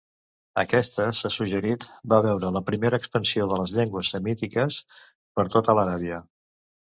Aquesta, s'ha suggerit, va veure la primera expansió de les llengües semítiques per tota l'Aràbia.